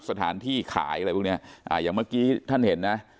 สถานที่ขายอะไรพวกเนี้ยอ่าอย่างเมื่อกี้ท่านเห็นนะ